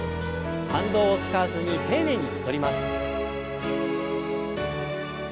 反動を使わずに丁寧に戻ります。